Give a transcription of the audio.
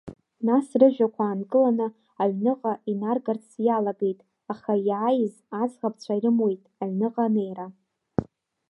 Нас рыжәҩақәа аанкыланы аҩныҟа инаргарц иалагеит, аха иааиз аӡӷабцәа ирымуит, аҩныҟа анеира.